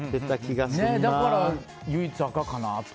だから、唯一、赤かなと。